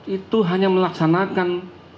itu hanya melaksanakan